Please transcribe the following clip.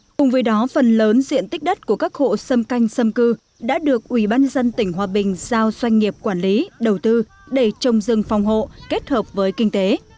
cùng với đó phần lớn diện tích đất của các hộ xâm canh xâm cư đã được ủy ban dân tỉnh hòa bình giao doanh nghiệp quản lý đầu tư để trồng rừng phòng hộ kết hợp với kinh tế